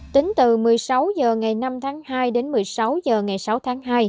tính từ một mươi sáu h ngày năm tháng hai đến một mươi sáu h ngày sáu tháng hai